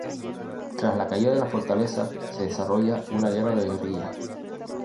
Tras la caída de la fortaleza se desarrolla una guerra de guerrillas.